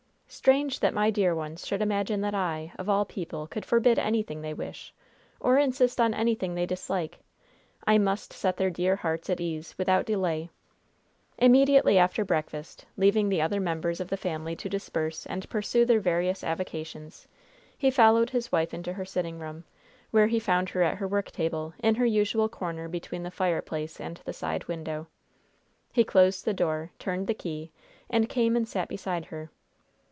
Strange that my dear ones should imagine that I, of all people, could forbid anything they wish, or insist on anything they dislike. I must set their dear hearts at ease without delay." Immediately after breakfast, leaving the other members of the family to disperse and pursue their various avocations, he followed his wife into her sitting room, where he found her at her worktable, in her usual corner between the fireplace and the side window. He closed the door, turned the key, and came and sat beside her.